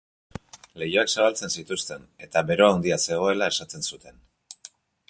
Leihoak zabaltzen zituzten, eta bero handia zegoela esaten zuten.